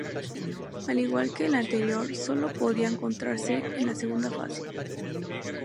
Al igual que el anterior, solo podía encontrarse en la segunda fase.